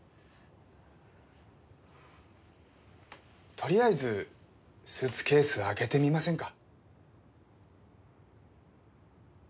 とりあえずスーツケース開けてみませんか？